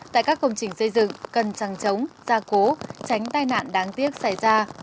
tại các công trình xây dựng cần trăng trống gia cố tránh tai nạn đáng tiếc xảy ra